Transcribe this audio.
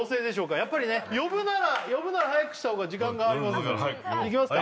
やっぱりね呼ぶなら早くした方が時間がありますいきますか？